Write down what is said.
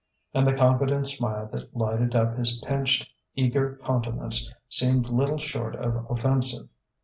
And the confident smile that lighted up his pinched, eager countenance seemed little short of offensive.